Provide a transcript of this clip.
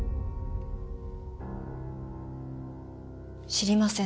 知りません